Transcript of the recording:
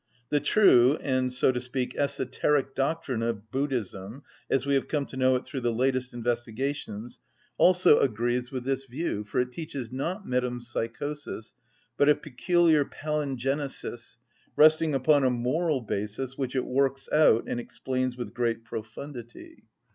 The true and, so to speak, esoteric doctrine of Buddhism, as we have come to know it through the latest investigations, also agrees with this view, for it teaches not metempsychosis, but a peculiar palingenesis, resting upon a moral basis which it works out and explains with great profundity.